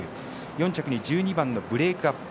４着に１２番のブレークアップ。